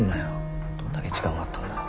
どんだけ時間があったんだよ。